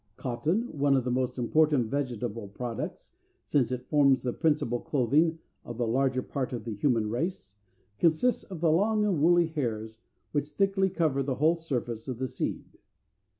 Cotton, one of the most important vegetable products, since it forms the principal clothing of the larger part of the human race, consists of the long and woolly hairs which thickly cover the whole surface of the seed.